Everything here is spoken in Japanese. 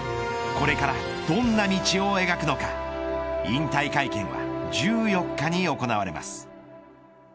これから、どんな道を描くのか引退会見は１４日に行われます。